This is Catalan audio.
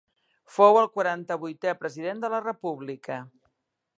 Fou el quaranta-vuitè President de la República.